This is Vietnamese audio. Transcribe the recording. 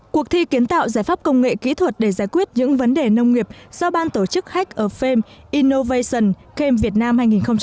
cuộc thi kiến tạo giải pháp công nghệ kỹ thuật để giải quyết những vấn đề nông nghiệp do ban tổ chức hacc of fame innovation game việt nam hai nghìn một mươi sáu